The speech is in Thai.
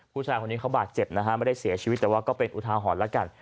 ผู้ชายคนนี้เขาบาดเจ็บนะฮะไม่ได้เสียชีวิตแต่ว่าก็เป็นอุทาหรณ์แล้วกัน